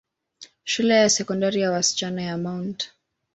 Shule ya Sekondari ya wasichana ya Mt.